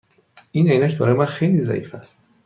این عینک برای من خیلی ضعیف است.